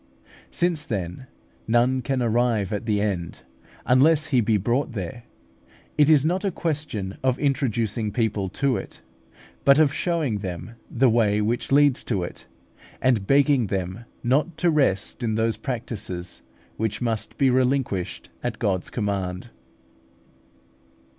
Since, then, none can arrive at the end unless he be brought there, it is not a question of introducing people to it, but of showing them the way which leads to it, and begging them not to rest in those practices which must be relinquished at God's command.